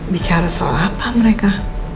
bicara soal apa mereka